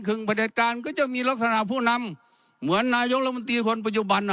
คึงประเทศกาลก็จะมีลักษณะผู้นำเหมือนนายกลมตีคนปัจจุบัน